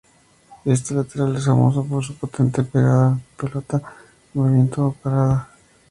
Este lateral es famoso por su potente pegada, en pelota en movimiento o parada.